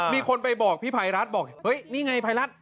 มีคนไปบอกพี่ภัยรัฐบอกเฮ้ยนี่ไงภัยรัฐ